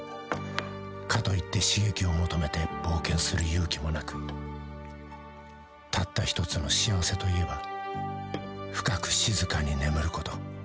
［かといって刺激を求めて冒険する勇気もなくたった一つの幸せといえば深く静かに眠ること］